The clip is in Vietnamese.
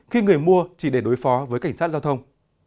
khi người mua chỉ để đối phó với cảnh sát giao thông